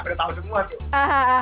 udah tahu semua tuh